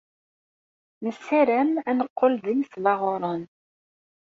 Nessaram ad neqqel d inesbaɣuren.